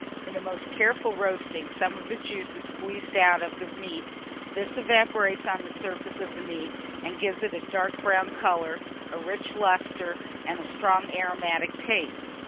In the most careful roasting, some of the juice is squeezed out of the meat: this evaporates on the surface of the meat, and gives it a dark brown colour, a rich lustre, and a strong aromatic taste.